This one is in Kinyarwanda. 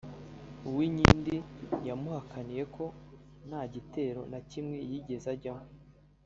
Uwinkindi yamuhakaniye ko nta gitero na kimwe yigeze ajyamo